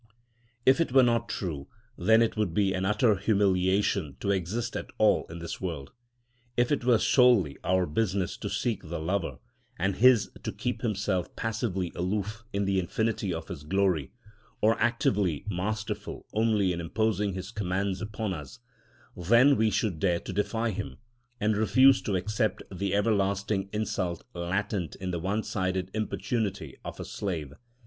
If this were not true, then it would be an utter humiliation to exist at all in this world. If it were solely our business to seek the Lover, and his to keep himself passively aloof in the infinity of his glory, or actively masterful only in imposing his commands upon us, then we should dare to defy him, and refuse to accept the everlasting insult latent in the one sided importunity of a slave.